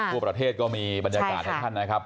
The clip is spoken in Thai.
ทั่วประเทศก็มีบรรยากาศให้ท่านนะครับ